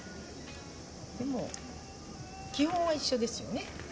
でも、基本は一緒ですよね。